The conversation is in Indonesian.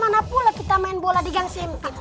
bagaimana pula kita main bola di gang sem